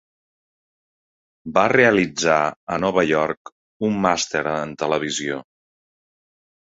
Va realitzar a Nova York un màster en televisió.